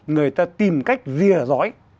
người ta tìm cách rìa giói